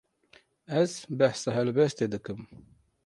Ez behsa helbestê dikim.